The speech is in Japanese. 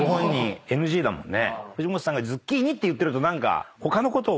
藤本さんがズッキーニって言ってると何か。